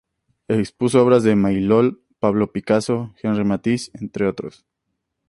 Expuso obras de Maillol, Pablo Picasso y Henri Matisse, entre otros.